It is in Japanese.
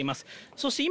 そして今、